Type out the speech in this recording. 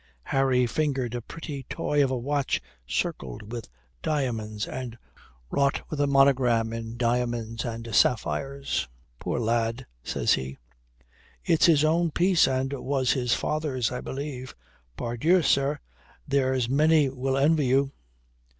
Harry fingered a pretty toy of a watch circled with diamonds, and wrought with a monogram in diamonds and sapphires. "Poor lad," says he. "It's his own piece and was his father's, I believe. Pardieu, sir, there's many will envy you."